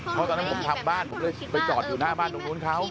เพราะตอนนั้นผมทำบ้านผมเลยไปจอดอยู่หน้าบ้านตรงนู้นเขา